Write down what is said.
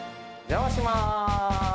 お邪魔します。